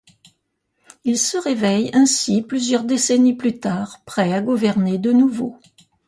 Ils se réveillent ainsi plusieurs décennies plus tard prêts à gouverner de nouveau.